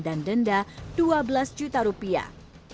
dan denda dua belas juta rupiah